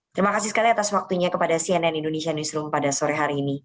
terima kasih sekali atas waktunya kepada cnn indonesia newsroom pada sore hari ini